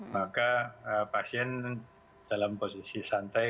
maka pasien dalam posisi santai